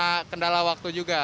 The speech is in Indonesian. karena kendala waktu juga